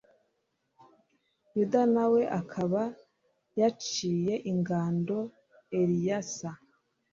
yuda na we akaba yaciye ingando eleyasa